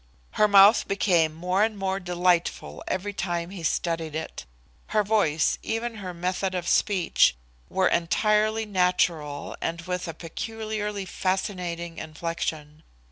Her mouth became more and more delightful every time he studied it; her voice, even her method of speech, were entirely natural and with a peculiarly fascinating inflexion.